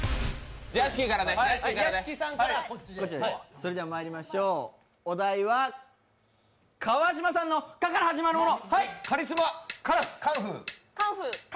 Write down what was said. それではまいりましょう、お題は川島さんの「か」から始まるもの。